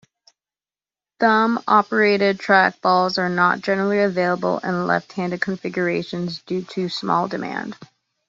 Thumb-operated trackballs are not generally available in left-handed configurations, due to small demand.